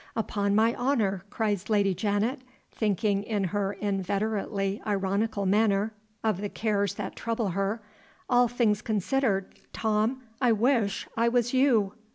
"Upon my honor," cries Lady Janet, thinking, in her inveterately ironical manner, of the cares that trouble her, "all things considered, Tom, I wish I was You!"